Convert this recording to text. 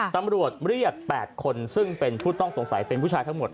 ตำรวจเรียก๘คนซึ่งเป็นผู้ต้องสงสัยเป็นผู้ชายทั้งหมด